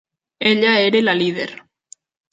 Ella era la líder.